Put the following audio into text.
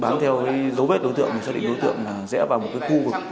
bán theo dấu vết đối tượng thì xác định đối tượng sẽ vào một khu vực